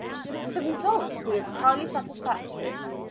The results proved highly satisfactory.